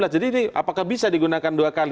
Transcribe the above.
jadi ini apakah bisa digunakan dua kali